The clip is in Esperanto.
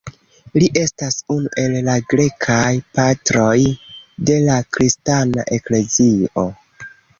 Li estas unu el la Grekaj Patroj de la kristana eklezio.